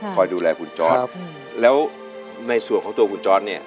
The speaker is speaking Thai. ค่ะค่อยดูแลคุณจอสครับแล้วในส่วนของตัวคุณจอสเนี้ย